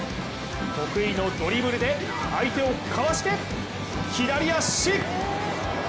得意のドリブルで相手をかわして左足！